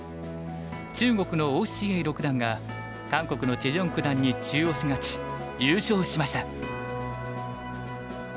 中国の於之瑩六段が韓国のチェ・ジョン九段に中押し勝ち優勝しました。